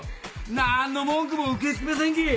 なんの文句も受け付けませんけぇ！